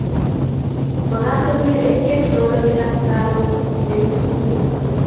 magat kosir etiet notok kila karon kwendi sukul